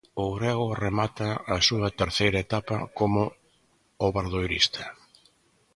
O grego remata a súa terceira etapa como obradoirista.